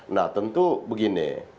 nah tentu begini